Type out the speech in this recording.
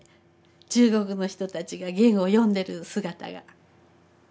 中国の人たちがゲンを読んでる姿が。